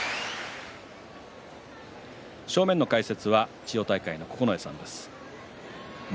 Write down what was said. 正面の解説は千代大海の九重さんです。